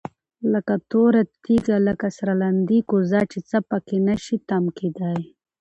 لكه توره تيږه، لكه سرلاندي كوزه چي څه په كي نشي تم كېدى